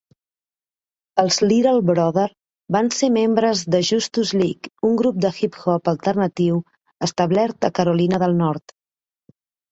Els Little Brother van ser membres de Justus League, un grup de hip-hop alternatiu establert a Carolina del Nord.